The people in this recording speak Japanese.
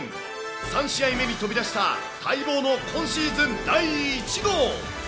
３試合目に飛び出した待望の今シーズン第１号。